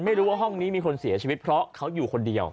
ไม่รู้ว่าห้องนี้มีคนเสียชีวิตเพราะเขาอยู่คนเดียว